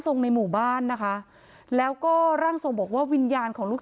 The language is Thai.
ในหมู่บ้านนะคะแล้วก็ร่างทรงบอกว่าวิญญาณของลูก